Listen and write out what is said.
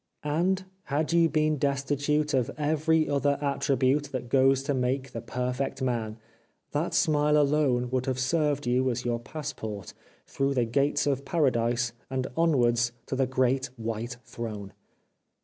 And, had you been destitute of every other attribute that goes to make the perfect man, that smile alone would have served you as your passport through the gates of Paradise and onwards to the Great White Throne